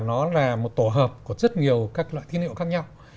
nó là một tổ hợp của rất nhiều các loại tín hiệu khác nhau